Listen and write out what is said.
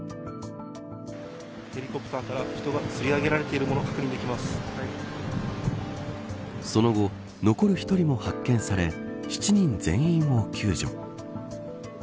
ヘリコプターから人がつり上げられているのもその後、残る１人も発見され７人全員を救助。